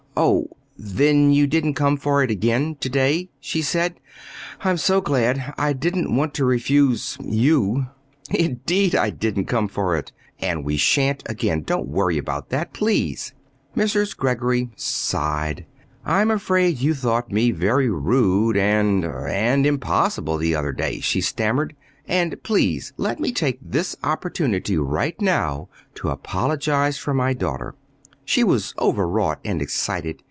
"Oh, then you didn't come for it again to day," she said. "I'm so glad! I didn't want to refuse you." "Indeed I didn't come for it and we sha'n't again. Don't worry about that, please." Mrs. Greggory sighed. "I'm afraid you thought me very rude and and impossible the other day," she stammered. "And please let me take this opportunity right now to apologize for my daughter. She was overwrought and excited.